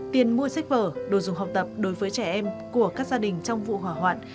tiền mua sách vở đồ dùng học tập đối với trẻ em của các gia đình trong vụ hỏa hoạn